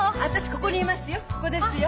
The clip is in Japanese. ここにいますよ。